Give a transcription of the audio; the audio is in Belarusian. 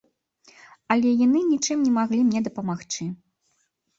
Але яны нічым не маглі мне дапамагчы.